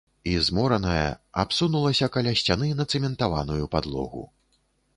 І, змораная, абсунулася каля сцяны на цэментаваную падлогу.